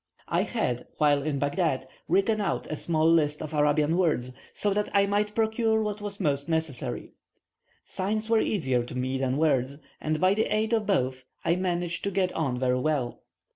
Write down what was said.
I had, while in Baghdad, written out a small list of Arabian words, so that I might procure what was most necessary. Signs were easier to me than words, and by the aid of both, I managed to get on very well.